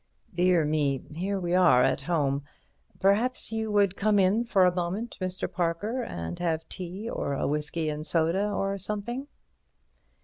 "Dear me, here we are at home. Perhaps you would come in for a moment, Mr. Parker, and have tea or a whisky and soda or something."